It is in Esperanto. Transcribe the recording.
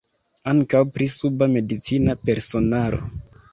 Ankaŭ pri suba medicina personaro.